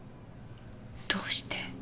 どうして？